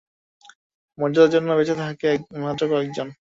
মর্যাদার জন্য বেঁচে থাকে মাত্র কয়েকজন।